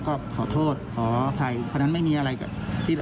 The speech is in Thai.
ก็ขอโทษขออภัยเพราะฉะนั้นไม่มีอะไร